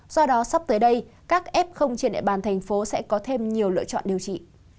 do đó sắp tới đây các f trên địa bàn thành phố sẽ có thêm nhiều lựa chọn điều trị